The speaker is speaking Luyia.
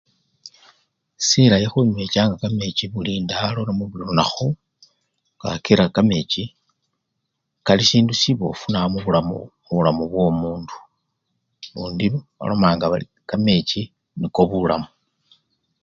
Silayi khunywechanga kamechi buli ndalo namwe buli lunakhu kakila kamechi kali sindu sibofu nabi mubulamu, mubulamu byomundu, lundi balomanga bari kamechi niko bulamu.